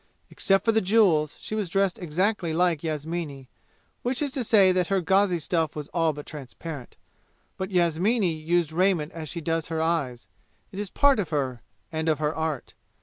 Except for the jewels, she was dressed exactly like Yasmini, which is to say that her gauzy stuff was all but transparent. But Yasmini uses raiment as she does her eyes; it is part of her, and of her art.